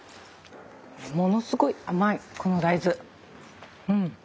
ものすごい甘いこの大豆。